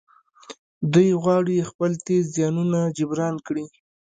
دوی غواړي خپل تېر زيانونه جبران کړي.